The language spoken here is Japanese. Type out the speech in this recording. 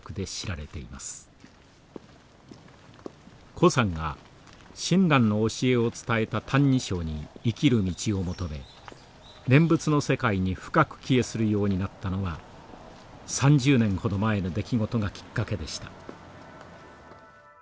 高さんが親鸞の教えを伝えた「歎異抄」に生きる道を求め念仏の世界に深く帰依するようになったのは３０年ほど前の出来事がきっかけでした。